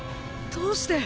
どうして。